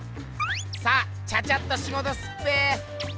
さあチャチャッとしごとすっぺえ。